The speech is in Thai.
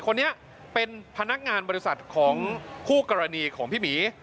คนนี้เป็นพนักงานบริษัทของคู่กรณีของพี่หมี